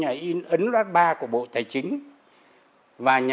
loát ba của bộ tài chính ở không gặp được vì đã bị áp dụng bởi hội chủ nhật bản đồng và phương xét